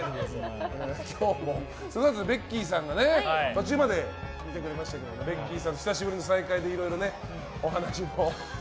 今日もベッキーさんが途中までいてくれましたけどもベッキーさんと久しぶりの再会でいろいろお話も。